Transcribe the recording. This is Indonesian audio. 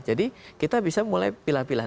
jadi kita bisa mulai pilih pilih